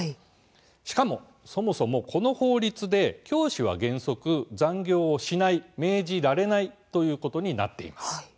しかもそもそもこの法律では教師は原則、残業をしない命じられないということになっています。